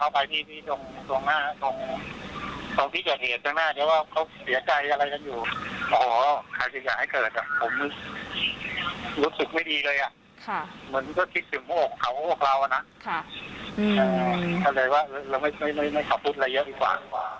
ก็เลยว่าเราไม่ขับรถอะไรเยอะดีกว่า